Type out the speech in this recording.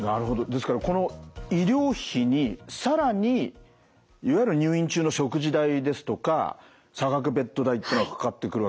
ですからこの医療費に更にいわゆる入院中の食事代ですとか差額ベッド代ってのがかかってくる。